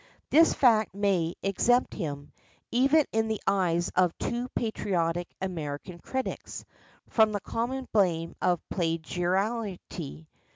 This fact may exempt him, even in the eyes of too patriotic American critics, from "the common blame of a plagiary."